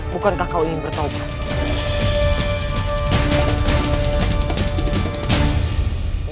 bukankah kau ingin bertawaf